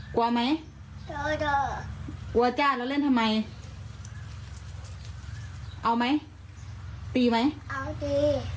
กลัวไหมใช่ก็กลัวจ้าแล้วเล่นทำไมเอาไหมตีไหมเอาตี